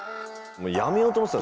やめようと思ってた。